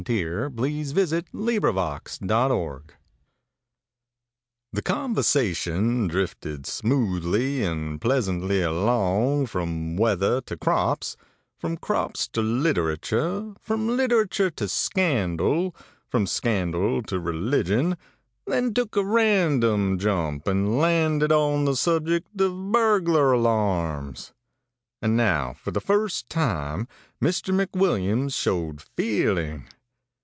THE McWILLIAMSES AND THE BURGLAR ALARM The conversation drifted smoothly and pleasantly along from weather to crops, from crops to literature, from literature to scandal, from scandal to religion; then took a random jump, and landed on the subject of burglar alarms. And now for the first time Mr. McWilliams showed feeling.